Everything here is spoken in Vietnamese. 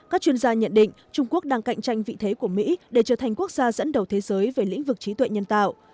các chuyên gia nhận định trung quốc đang cạnh tranh vị thế của mỹ để trở thành quốc gia dẫn đầu thế giới về lĩnh vực trí tuệ nhân tạo